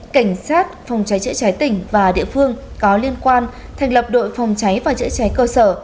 cảnh sát phòng cháy chữa cháy tỉnh và địa phương có liên quan thành lập đội phòng cháy và chữa cháy cơ sở